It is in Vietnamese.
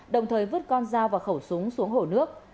đồng thời vứt con dao và khẩu súng xuống hồ nước